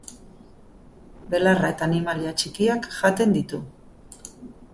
Belarra eta animalia txikiak jaten ditu.